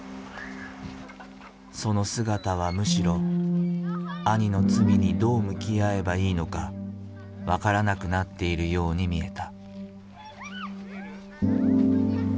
その姿はむしろ兄の罪にどう向き合えばいいのか分からなくなっているように見えた。